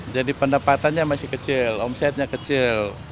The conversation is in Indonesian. jadi pendapatannya masih kecil omsetnya kecil